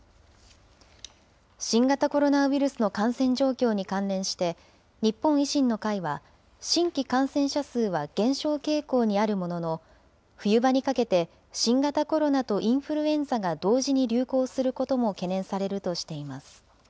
新型コロナウイルスの感染状況に関連して、日本維新の会は、新規感染者数は減少傾向にあるものの、冬場にかけて新型コロナとインフルエンザが同時に流行することも懸念されるとしています。